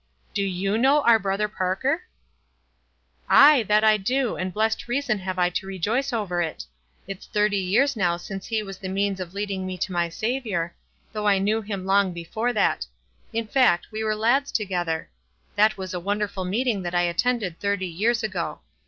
" Do you know our Brother Parker?" "Aye, that I do, and blessed reason have I to rejoice over it. It's thirty years now since he was the means of leading me to my Saviour, though I knew him long before that, — in fact, we were lads together. That was a wonderful meeting that I attended thirty years ago.